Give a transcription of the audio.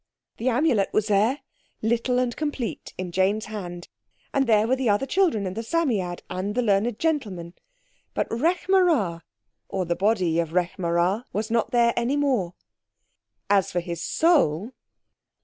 The Amulet was there—little and complete in Jane's hand, and there were the other children and the Psammead, and the learned gentleman. But Rekh marā—or the body of Rekh marā—was not there any more. As for his soul...